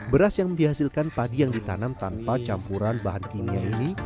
beras yang dihasilkan padi yang ditanam tanpa campuran bahan kimia ini